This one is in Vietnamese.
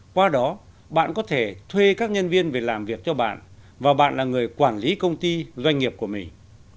qua đó bạn có thể thuê các nhân viên về làm việc cho bạn và bạn là người quản lý công ty doanh nghiệp của mình